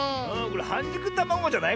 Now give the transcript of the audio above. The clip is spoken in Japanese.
はんじゅくたまごじゃない？